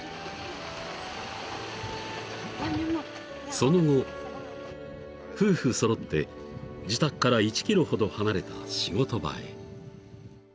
［その後夫婦揃って自宅から１ｋｍほど離れた仕事場へ］